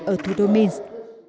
ở thủ đô minsk